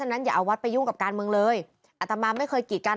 นั้นอย่าเอาวัดไปยุ่งกับการเมืองเลยอัตมาไม่เคยกีดกัน